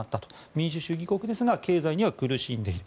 民主主義国ですが経済には苦しんでいる。